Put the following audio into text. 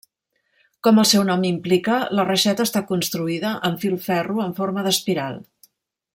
Com el seu nom implica, la reixeta està construïda amb filferro en forma d'espiral.